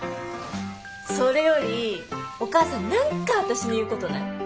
それよりお母さん何か私に言うことない？